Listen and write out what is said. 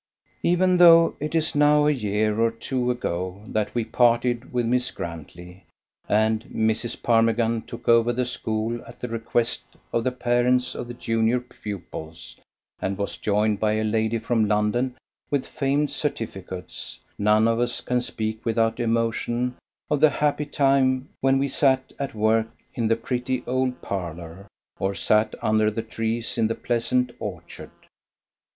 Even though it is now a year or two ago that we parted with Miss Grantley, and Mrs. Parmigan took over the school at the request of the parents of the junior pupils, and was joined by a lady from London with famed certificates, none of us can speak without emotion of the happy time when we sat at work in the pretty old parlour or sat under the trees in the pleasant orchard.